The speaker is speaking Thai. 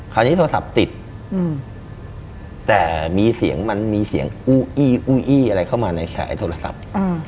โทรศัพท์ติดแต่มีเสียงมันมีเสียงอู้อี้อู้อี้อะไรเข้ามาในสายโทรศัพท์